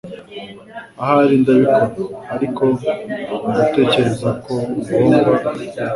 ahari ndabikora… ariko ndatekereza ko ugomba.